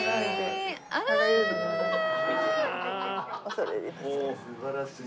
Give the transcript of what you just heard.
恐れ入ります。